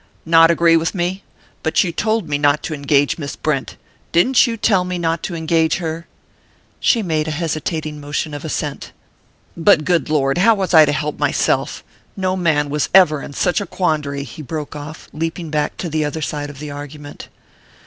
"Not agree with me? But you told me not to engage Miss Brent! Didn't you tell me not to engage her?" She made a hesitating motion of assent. "But, good Lord, how was I to help myself? No man was ever in such a quandary!" he broke off, leaping back to the other side of the argument.